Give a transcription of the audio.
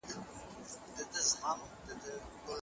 خپل منزل خپل مو سفر وي خپل رهبر کاروان سالار کې